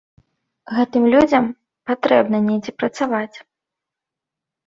Гэтым людзям патрэбна недзе працаваць.